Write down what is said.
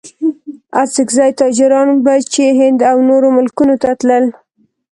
اڅګزي تاجران به چې هند او نورو ملکونو ته تلل.